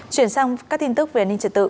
chuyển sang các tin tức về an ninh trật tự